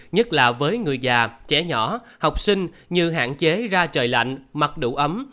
nhất là với người già trẻ nhỏ học sinh như hạn chế ra trời lạnh mặc đủ ấm